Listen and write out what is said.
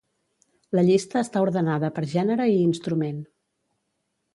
La llista està ordenada per gènere i instrument.